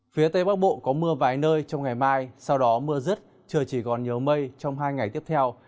phía tây bắc bộ có mưa vài nơi trong ngày mai sau đó mưa rứt trời chỉ còn nhiều mây trong hai ngày tiếp theo